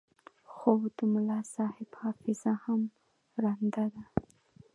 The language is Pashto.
خو د ملاصاحب حافظه هم ړنده ده.